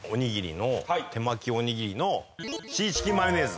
手巻おにぎりのシーチキンマヨネーズ。